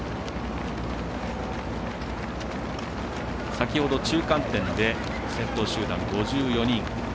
先ほど中間点で先頭集団、５４人。